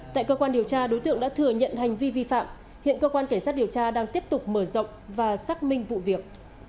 tại cơ quan điều tra đối tượng đã thừa nhận hành vi vi phạm hiện cơ quan cảnh sát điều tra đang tiếp tục mở rộng và xác minh vụ việc